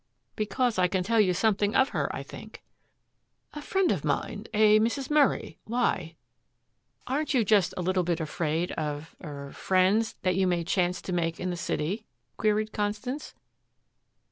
"Because I can tell you something of her, I think." "A friend of mine a Mrs. Murray. Why?" "Aren't you just a little bit afraid of er friends that you may chance to make in the city?" queried Constance.